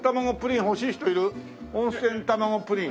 温泉玉子プリン。